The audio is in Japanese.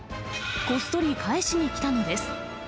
こっそり返しにきたのです。